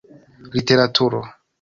literaturo